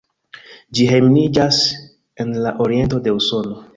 Ĝi hejmiĝas en la oriento de Usono.